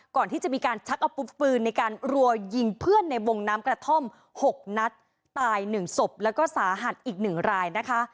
ก่อนที่จะมีการชักอาวุธปืนในการรัวยิงเพื่อนในวงน้ำกระท่อม๖นัดตายหนึ่งศพแล้วก็สาหัสอีกหนึ่งรายนะคะ